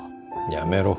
やめろ。